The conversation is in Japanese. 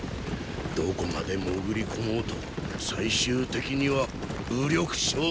どこまで潜り込もうと最終的には武力勝負だ。